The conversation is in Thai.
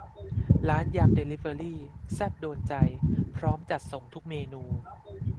ร้านยำเดลิเวอรี่ แซ่บโดนใจ พร้อมจัดส่งทุกเมนู